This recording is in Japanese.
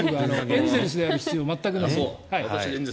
エンゼルスである必要性は全くない。